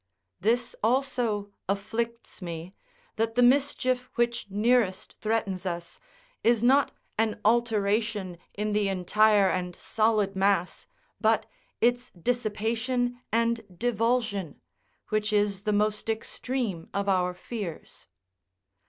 This also afflicts me, that the mischief which nearest threatens us, is not an alteration in the entire and solid mass, but its dissipation and divulsion, which is the most extreme of our fears.